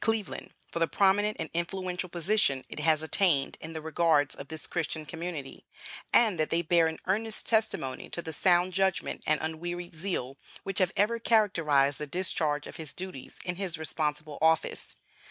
D. Cleveland for the prominent and influential position it has attained in the regards of this Christian community, and that they bear an earnest testimony to the sound judgment and unwearied zeal which have ever characterized the discharge of his duties in his responsible office."